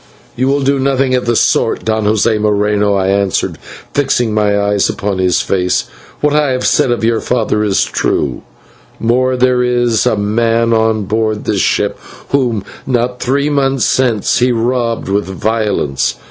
"You will do nothing of the sort, Don José Moreno," I answered, fixing my eyes upon his face; "what I have said of your father is true; more, there is a man on board this ship whom, not three months since, he robbed with violence.